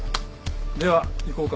では行こうか？